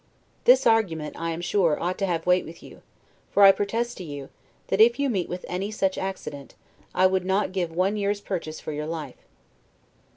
This argument, I am sure, ought to have weight with you: for I protest to you, that if you meet with any such accident, I would not give one year's purchase for your life.